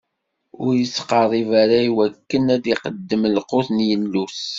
Ur ittqerrib ara iwakken ad iqeddem lqut n Yillu-is.